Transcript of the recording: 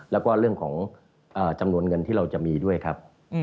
แล้วก็เรื่องของจำนวนเงินที่เราจะมีด้วยครับ